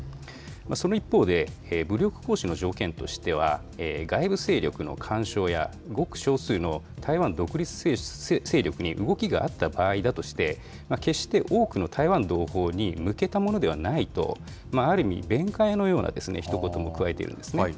その一方で、武力行使の条件としては、外部勢力の干渉や、ごく少数の台湾独立勢力に動きがあった場合だとして、決して、多くの台湾同胞に向けたものではないと、ある意味、弁解のようなひと言も加えているんですね。